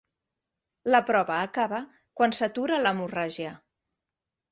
La prova acaba quan s'atura l'hemorràgia.